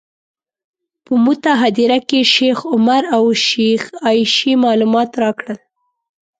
په موته هدیره کې شیخ عمر او شیخې عایشې معلومات راکړل.